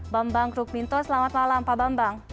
bambang rukminto selamat malam pak bambang